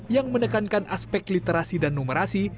yang menekankan aspek literasi dan numerasi